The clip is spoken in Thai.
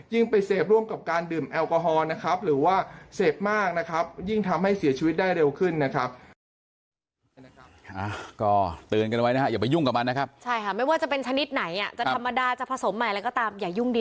ไปเสพร่วมกับการดื่มแอลกอฮอล์นะครับหรือว่าเสพมากนะครับยิ่งทำให้เสียชีวิตได้เร็วขึ้นนะครับ